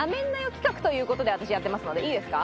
企画という事で私やってますのでいいですか？